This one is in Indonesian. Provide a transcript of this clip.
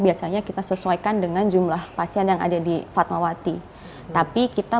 biasanya kita sesuaikan dengan jumlah pasien yang ada di fatmawati tapi kita